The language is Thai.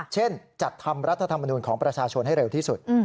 เช่นจัดทำรัฐธรรมนูลของประชาชนให้เร็วที่สุด